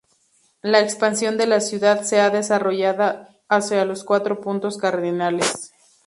La expansión de la ciudad se ha desarrollado hacia los cuatro puntos cardinales.